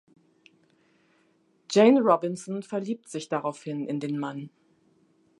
Jane Robinson verliebt sich daraufhin in den Mann.